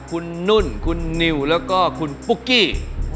คุณนุ่นคุณนิวแล้วก็คุณปุ๊กกี้